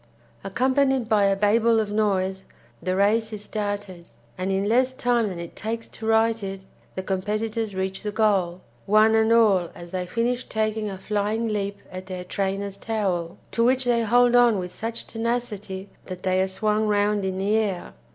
Accompanied by a babel of noise, the race is started, and in less time than it takes to write it the competitors reach the goal, one and all as they finish taking a flying leap at their trainer's towel, to which they hold on with such tenacity that they are swung round in the air.